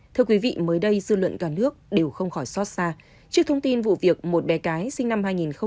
thưa quý vị mới đây dư luận cả nước đều không khỏi xót xa trước thông tin vụ việc một bé gái sinh năm hai nghìn một mươi ba